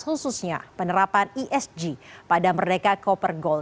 khususnya penerapan isg pada merdeka copper gold